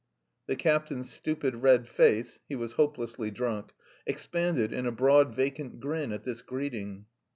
The captain's stupid red face (he was hopelessly drunk) expanded in a broad vacant grin at this greeting.